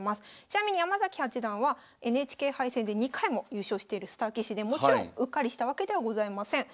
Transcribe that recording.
ちなみに山崎八段はＮＨＫ杯戦で２回も優勝してるスター棋士でもちろんうっかりしたわけではございません。